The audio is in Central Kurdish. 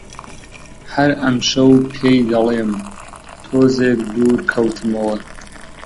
هەر ئەمشەو پێی دەڵێم، تۆزێک دوور کەوتمەوە